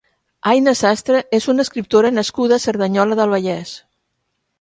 Aina Sastre és una escriptora nascuda a Cerdanyola del Vallès.